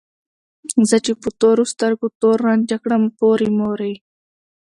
زه چې په تورو سترګو تور رانجه کړم پورې مورې